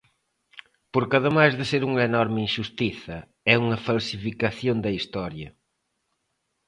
Porque ademais de ser unha enorme inxustiza é unha falsificación da historia.